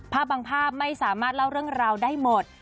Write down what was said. บางภาพไม่สามารถเล่าเรื่องราวได้หมด